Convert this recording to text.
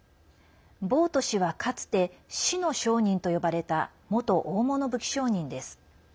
ボウト氏はかつて死の商人と呼ばれた元大物武器商人です。